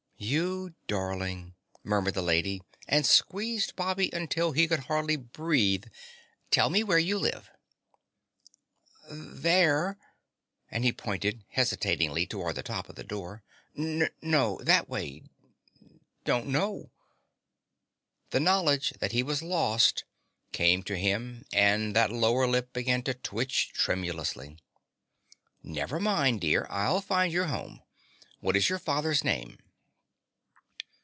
"You darling!" murmured the lady and squeezed Bobby until he could hardly breathe. "Tell me where you live." "There," and he pointed hesitatingly towards the top of the door. "N No, that way. Don't know." The knowledge that he was lost came to him and that lower lip began to twitch tremulously. "Never mind, dear, I'll find your home. What is your father's name?"